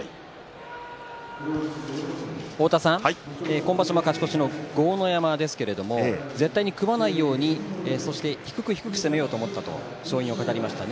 今場所も勝ち越しの豪ノ山ですが、絶対に組まないようにそして低く低く攻めようと思ったと勝因を語りました。